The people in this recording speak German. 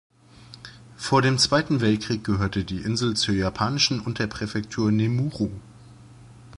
Vor dem Zweiten Weltkrieg gehörte die Insel zur japanischen Unterpräfektur Nemuro.